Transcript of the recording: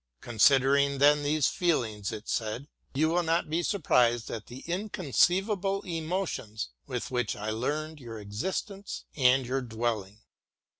Considering then these feelings [it said], you will not be surprised at the inconceivable emotions with which I learned your existence and your dwelling.